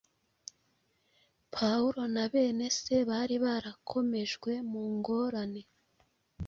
Pawulo na bene se bari barakomejwe mu ngorane,